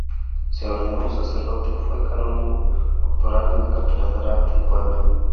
Se ordenó sacerdote, fue canónigo doctoral en la Catedral de Puebla.